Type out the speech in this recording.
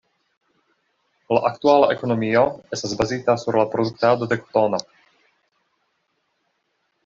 La aktuala ekonomio estas bazita sur la produktado de kotono.